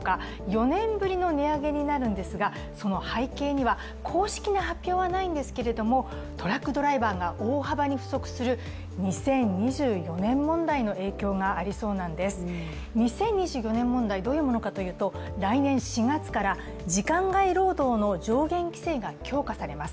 ４年ぶりの値上げとなるんですがその背景には公式な発表はないんですが、トラックドライバーが大幅に不足する２０２４年問題の影響がありそうなんです、２０２４年問題どういうものかというと来年４月から時間外労働の上限規制が強化されます。